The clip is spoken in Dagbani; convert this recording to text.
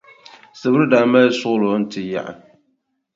Sibiri daa mali suɣulo n-ti yaɣi.